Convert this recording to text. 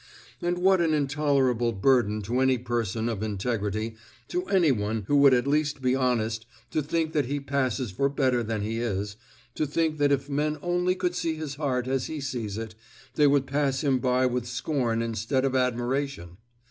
And what an intolerable burden to any person of integrity, to any one who would at least be honest, to think that he passes for better than he is, to think that if men only could see his heart as he sees it, they would pass him by with scorn instead of admiration!